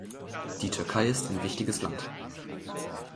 Die Türkei ist ein wichtiges Land.